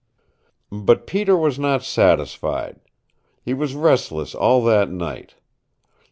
But Peter was not satisfied. He was restless all that night.